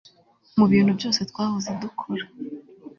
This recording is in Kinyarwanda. mubintu byose twahoze dukora